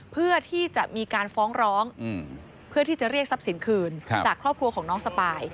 เพื่อที่จะมีการฟ้องร้องเพื่อที่จะเรียกทรัพย์สินคืนจากครอบครัวของน้องสปาย